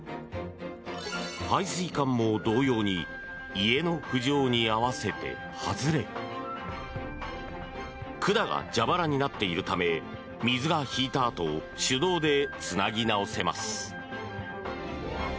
排水管も同様に家の浮上に合わせて外れ管が蛇腹になっているため水が引いたあと手動でつなぎ直せます。